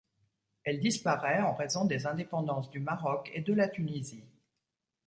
Elle disparaît en raison des indépendances du Maroc et de la Tunisie.